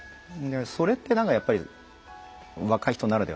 それってなんかやっぱり若い人ならではというか。